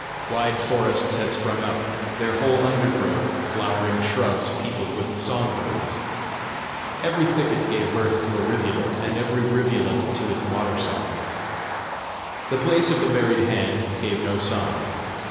Wide forests had sprung up, their whole undergrowth flowering shrubs peopled with song birds. Every thicket gave birth to a rivulet, and every rivulet to its water song. The place of the buried hand gave no sign.